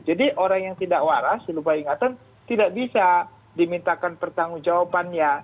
jadi orang yang tidak waras lupa ingatan tidak bisa dimintakan pertanggung jawabannya